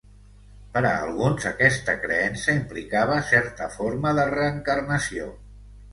Per a alguns, aquesta creença implicava certa forma de reencarnació.